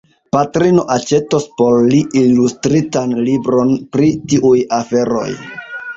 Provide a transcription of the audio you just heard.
Patrino aĉetos por li ilustritan libron pri tiuj aferoj.